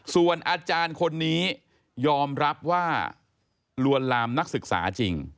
ส่วนอาจารย์คนนี้ยอมรับว่าลวนลามนักศึกษาจริง